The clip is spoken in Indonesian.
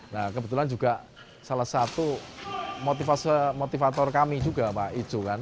nah kebetulan juga salah satu motivator kami juga pak ijo kan